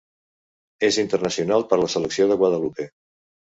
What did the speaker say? És internacional per la selecció de Guadalupe.